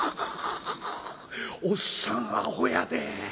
おっさんあほやで。